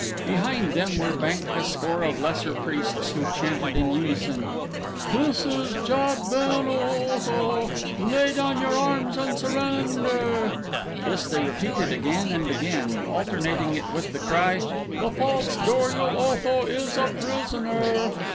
Behind them were banked a score of lesser priests who chanted in unison: "This is Jad ben Otho. Lay down your arms and surrender." This they repeated again and again, alternating it with the cry: "The false Dor ul Otho is a prisoner."